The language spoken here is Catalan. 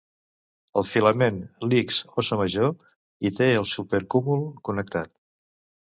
El Filament Linx-Óssa Major hi té el supercúmul connectat.